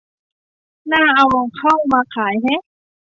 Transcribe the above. น่าเอา เข้ามาขายแฮะ